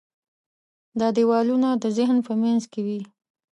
دا دیوالونه د ذهن په منځ کې وي.